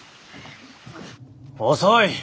遅い！